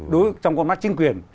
đối với trong con mắt chính quyền